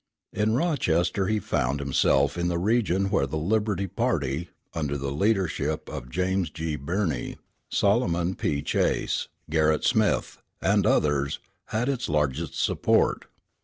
In Rochester he found himself in the region where the Liberty party, under the leadership of James G. Birney, Salmon P. Chase, Gerrit Smith, and others, had its largest support.